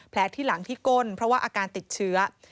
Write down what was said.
ที่หลังที่ก้นเพราะว่าอาการติดเชื้อ